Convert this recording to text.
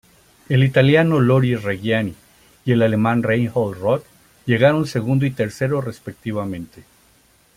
El italiano Loris Reggiani y el alemán Reinhold Roth llegaron segundo y tercero respectivamente.